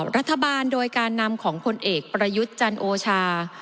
รัฐบาลโดยการนำของผลเอกประยุทธ์จันโอชา